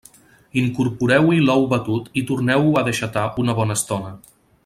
Incorporeu-hi l'ou batut i torneu-ho a deixatar una bona estona.